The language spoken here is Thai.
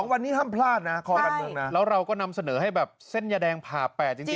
วันนี้ห้ามพลาดนะคอการเมืองนะแล้วเราก็นำเสนอให้แบบเส้นยาแดงผ่า๘จริง